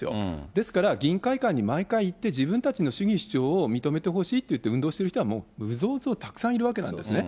ですから議員会館に毎回行って、自分たちの主義主張を認めてほしいという運動している人は、もう有象無象たくさんいるわけですよね。